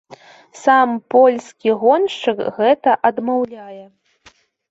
Сам польскі гоншчык гэта адмаўляе.